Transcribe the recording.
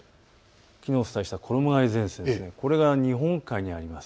きのうお伝えした衣がえ前線、これが日本海にあります。